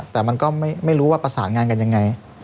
แต่มันก็ไม่รู้ว่าประสานงานกันยังไง